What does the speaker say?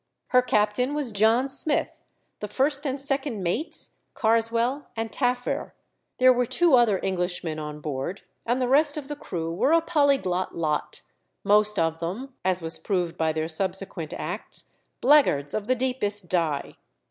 Her captain was John Smith; the first and second mates, Karswell and Taffir; there were two other Englishmen on board, and the rest of the crew were a polyglot lot, most of them, as was proved by their subsequent acts, blackguards of the deepest dye.